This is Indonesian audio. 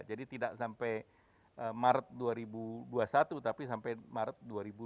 tidak sampai maret dua ribu dua puluh satu tapi sampai maret dua ribu dua puluh